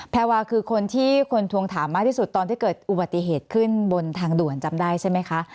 แพรวาคือคนที่คนทวงถามมากที่สุดตอนที่เกิดอุบัติเหตุขึ้นบนทางด่วนจำได้ใช่ไหมคะ